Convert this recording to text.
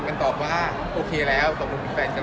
คือกรณะนี้ก็มีอยู่แล้วค่ะร่วมคือแคล็กซ์นะคะ